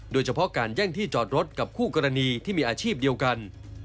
โดยเฉพาะการแย่งที่จอดรถกับคู่กรณีที่มีอาชีพเดียวกัน